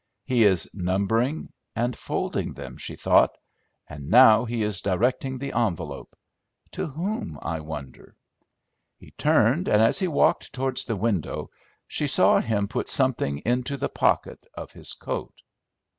He is numbering and folding them, she thought, and now he is directing the envelope, to whom, I wonder! He turned, and as he walked towards the window she saw him put something into the pocket of his coat.